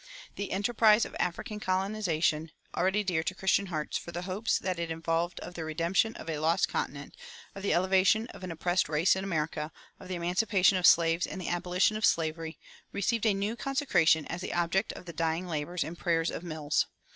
The enterprise of African colonization, already dear to Christian hearts for the hopes that it involved of the redemption of a lost continent, of the elevation of an oppressed race in America, of the emancipation of slaves and the abolition of slavery, received a new consecration as the object of the dying labors and prayers of Mills.